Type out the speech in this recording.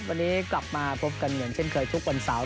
วันนี้กลับมาพบกันเหมือนเช่นเคยทุกวันเสาร์